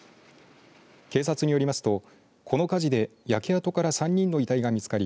警察によりますとこの火事で焼け跡から３人の遺体が見つかり